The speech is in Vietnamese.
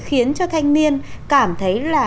khiến cho thanh niên cảm thấy là